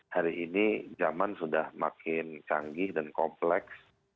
hari ini zaman sudah makin canggih dan kompleks